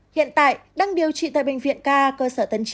hiện tại đang điều trị tại bệnh viện ca cơ sở tân triều